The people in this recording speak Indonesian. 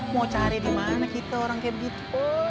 mau cari dimana kita orang kaya begitu